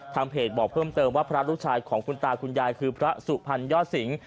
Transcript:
เพจบอกเพิ่มเติมว่าพระลูกชายของคุณตาคุณยายคือพระสุพรรณยอดสิง